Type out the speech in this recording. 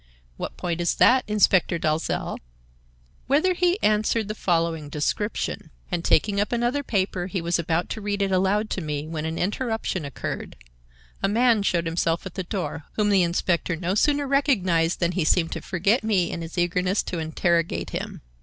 "What point is that, Inspector Dalzell?" "Whether he answered the following description." And, taking up another paper, he was about to read it aloud to me, when an interruption occurred. A man showed himself at the door, whom the inspector no sooner recognized than he seemed to forget me in his eagerness to interrogate him.